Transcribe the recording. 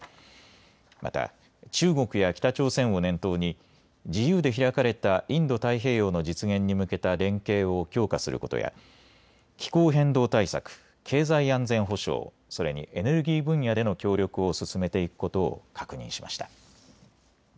また、中国や北朝鮮を念頭に自由で開かれたインド太平洋の実現に向けた連携を強化することや気候変動対策、経済安全保障、それにエネルギー分野での協力を進めていくことを確認しました。